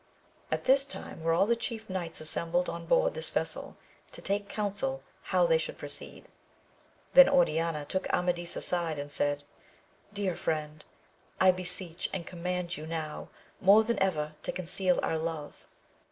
At this time were all the chief knights assembled on board this vessel, to take counsel how they should proceed. Then Oriana took Amadis aside and said, Dear friend I beseech and command you now more than ever to conceal our love